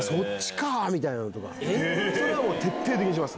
それは徹底的にします。